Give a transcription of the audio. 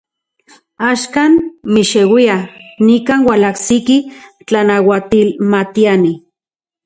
Axkan, mixeuia, nikan ualajsiki tlanauatilmatiani.